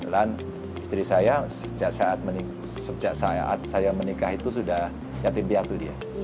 kebetulan istri saya sejak saat saya menikah itu sudah yatim piatu dia